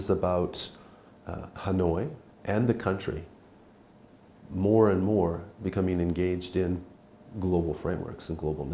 và một lần nữa cảm ơn các bạn đã dành thời gian